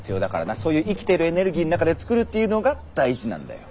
そういう「生きてるエネルギー」の中で作るっていうのが大事なんだよ。